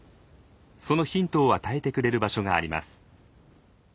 そのヒントを与えてくれる場所があります。